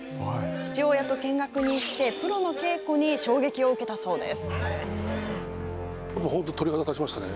父親と見学に行ってプロの稽古に衝撃を受けたそうです。